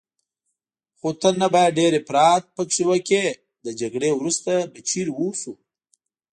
خو ته نه باید ډېر افراط پکې وکړې، له جګړې وروسته به چیرې اوسو؟